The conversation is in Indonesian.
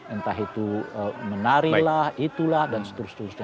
entah itu menari lah itu lah dan seterusnya